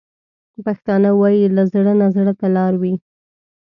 پښتانه وايي: له زړه نه زړه ته لارې وي.